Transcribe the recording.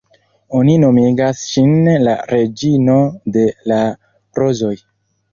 Oni nomigas ŝin "La Reĝino de la Rozoj".